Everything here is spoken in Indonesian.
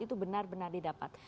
itu benar benar didapat